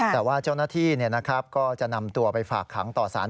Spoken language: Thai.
แต่ว่าเจ้าหน้าที่ก็จะนำตัวไปฝากขังต่อสาร